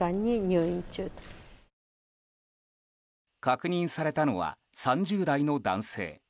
確認されたのは３０代の男性。